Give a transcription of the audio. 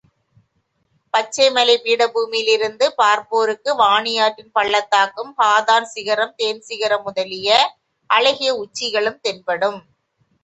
பச்சைமலைப் பீடபூமியிலிருந்து பார்ப்போருக்கு வாணியாற்றின் பள்ளத்தாக்கும், ஹாதார்ன் சிகரம் தேன் சிகரம் முதலிய அழகிய உச்சிகளும் தென்படும்.